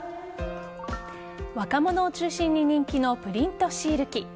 若者を中心に人気のプリントシール機。